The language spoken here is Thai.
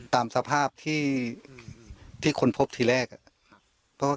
ตามสภาพที่คนนจิลอย่างพบที่แรกครับ